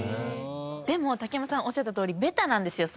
でも竹山さんおっしゃったとおりベタなんですよ。